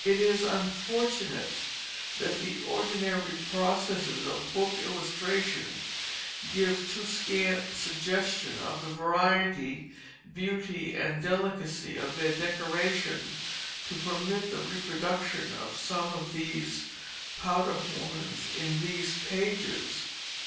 It is unfortunate that the ordinary processes of book illustration give too scant suggestion of the variety, beauty, and delicacy of their decoration, to permit the reproduction of some of these powder horns in these pages.